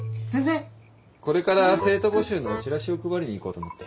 これから生徒募集のチラシを配りに行こうと思って。